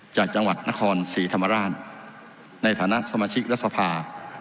จากจังหวัดนครศรีธรรมราชในฐานะสมาชิกรัฐสภา